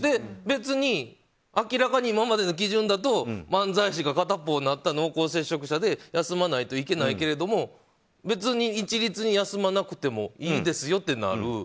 別に、明らかに今までの基準だと漫才師が片方なったら濃厚接触者で休まないといけないけれども別に一律に休まなくてもいいですよってなる。